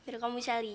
kalau dia malsain ga